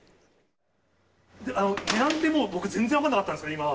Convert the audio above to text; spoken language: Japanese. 値段って、僕、全然分かんなかったですけど、今。